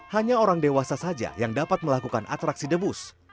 hanya orang dewasa saja yang dapat melakukan atraksi debus